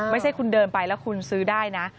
ไม่ใช่คุณเดินไปแล้วคุณซื้อได้นะ